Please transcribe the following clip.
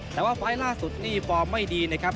แต่ว่าไฟล์ล่าสุดนี่ฟอร์มไม่ดีนะครับ